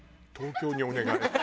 東京にお願い？